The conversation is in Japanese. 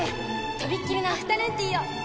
とびっきりのアフタヌーンティーを。